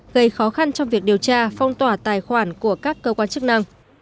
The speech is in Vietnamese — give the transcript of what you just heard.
gây khó khăn trong việc điều tra phong tỏa tài khoản của các cơ quan chức năng